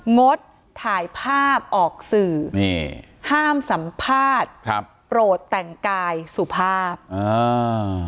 งดถ่ายภาพออกสื่อนี่ห้ามสัมภาษณ์ครับโปรดแต่งกายสุภาพอ่า